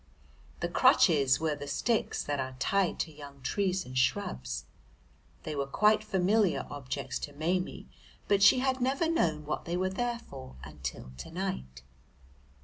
The crutches were the sticks that are tied to young trees and shrubs. They were quite familiar objects to Maimie, but she had never known what they were for until to night.